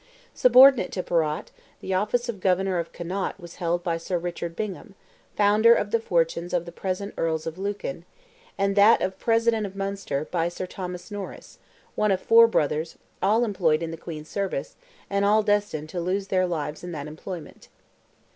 Subordinate to Perrott, the office of Governor of Connaught was held by Sir Richard Bingham—founder of the fortunes of the present Earls of Lucan—and that of President of Munster, by Sir Thomas Norris, one of four brothers, all employed in the Queen's service, and all destined to lose their lives in that employment.